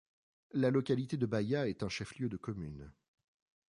La localité de Baya est un chef-lieu de commune.